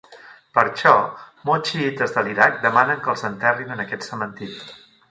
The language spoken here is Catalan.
Per això, molts xiïtes de l'Iraq demanen que els enterrin en aquest cementiri.